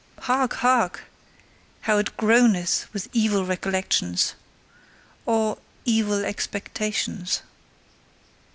Hark! Hark! How it groaneth with evil recollections! Or evil expectations?